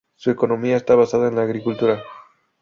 Su economía está basada en la agricultura.